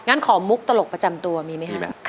งั้นขอมุกตลกประจำตัวมีไหมคะ